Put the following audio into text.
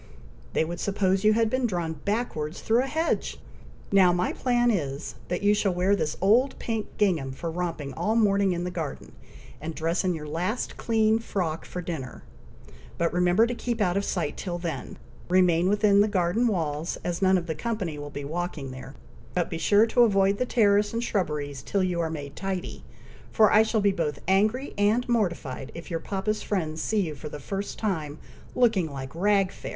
They would suppose you had been drawn backwards through a hedge! Now my plan is, that you shall wear this old pink gingham for romping all morning in the garden, and dress in your last clean frock for dinner; but remember to keep out of sight till then. Remain within the garden walls, as none of the company will be walking there, but be sure to avoid the terrace and shrubberies till you are made tidy, for I shall be both angry and mortified if your papa's friends see you for the first time looking like rag fair."